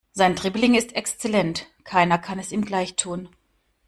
Sein Dribbling ist exzellent, keiner kann es ihm gleich tun.